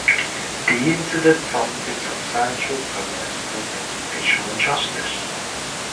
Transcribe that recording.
The incident prompted substantial protests against racial injustice.